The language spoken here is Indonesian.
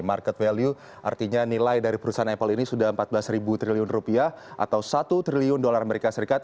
market value artinya nilai dari perusahaan apple ini sudah empat belas triliun rupiah atau satu triliun dolar amerika serikat